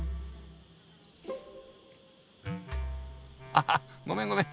ああっごめんごめん。